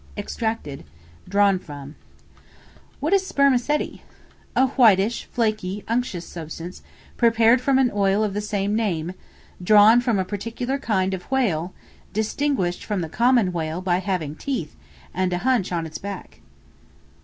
Extracted, drawn from. What is Spermaceti? A whitish, flaky, unctuous substance, prepared from an oil of the same name, drawn from a particular kind of whale, distinguished from the common whale by having teeth, and a hunch on its back.